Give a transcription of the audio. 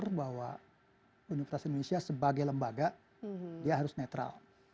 saya pikir bahwa universitas indonesia sebagai lembaga dia harus netral